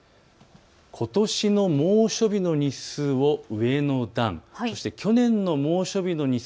ことしの猛暑日の日数を上の段、そして去年の猛暑日の日数。